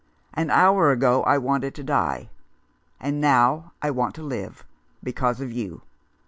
An hour ago I wanted to die ; and now I want to live, because of you.